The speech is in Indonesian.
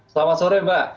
selamat sore mbak